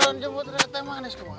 ini motor lagi ya